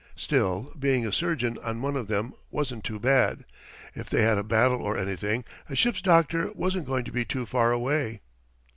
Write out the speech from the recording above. Still, being a surgeon on one of them wasn't too bad. If they had a battle or anything, a ship's doctor wasn't going to be too far away.